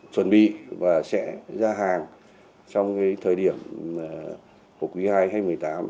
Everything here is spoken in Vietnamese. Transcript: chuẩn bị và sẽ ra hàng trong thời điểm quý ii hay hai nghìn một mươi tám